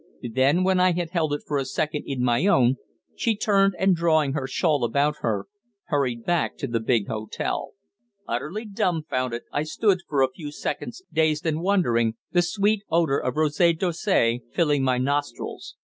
Then, when I had held it for a second in my own, she turned and, drawing her shawl about her, hurried back to the big hotel. Utterly dumbfounded, I stood for a few seconds dazed and wondering, the sweet odour of Rose d'Orsay filling my nostrils.